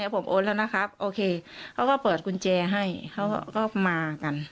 ผมโอนแล้วนะครับโอเคเขาก็เปิดกุญแจให้เขาก็มากัน